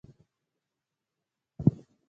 عاشقان د ترقۍ د خپل وطن یو.